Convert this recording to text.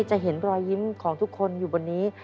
จะเห็นรอยยิ้มของทุกคนอยู่บนนี้